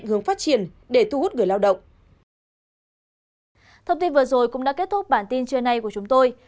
thông tin vừa rồi cũng đã kết thúc bản tin trưa nay của chúng tôi